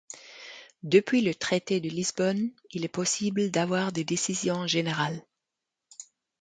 Depuis le traité de Lisbonne, il est possible d'avoir des décisions générales.